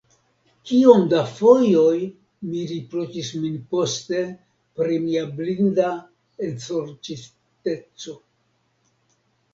Kiom da fojoj mi riproĉis min poste pri mia blinda ensorĉiteco!